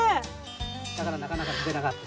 だからなかなか抜けなかった。